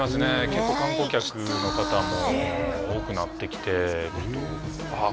結構観光客の方も多くなってきてちょっとあっ